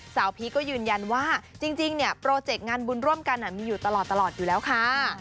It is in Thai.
พีชก็ยืนยันว่าจริงเนี่ยโปรเจกต์งานบุญร่วมกันมีอยู่ตลอดอยู่แล้วค่ะ